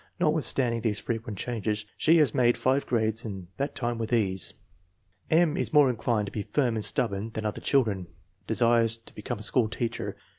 Notwithstand ing these frequent changes she has made five grades in that time with ease. " M. is more inclined to be firm and stubborn than the other children." Desires to be* come a school teacher.